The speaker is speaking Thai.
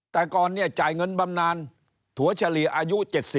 แต่ก่อนเนี่ยจ่ายเงินบำนานถั่วเฉลี่ยอายุ๗๐